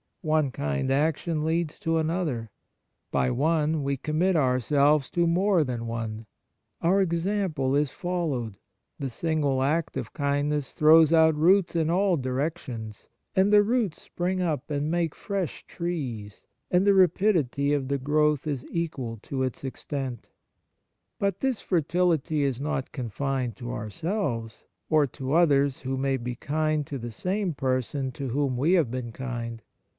One kind action leads to another. By one we commit ourselves to more than one. Our example is followed. The single act of kindness throws out roots in all direc 3—2 36 Kindness tions, and the roots spring up and make fresh trees, and the rapidity of the growth is equal to its extent. But this fertihty is not confined to ourselves, or to others who may be kind to the same person to whom we have been kind.